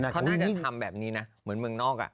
เขาน่าจะทำแบบนี้นะเหมือนเมืองนอก